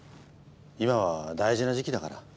今は大事な時期だから。